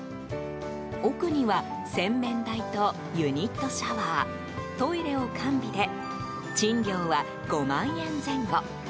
奥には洗面台とユニットシャワートイレを完備で賃料は５万円前後。